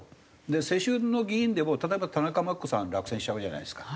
で世襲の議員でも例えば田中眞紀子さん落選しちゃうじゃないですか。